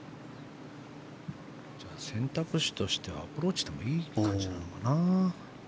じゃあ選択肢としてはアプローチでもいい感じかな。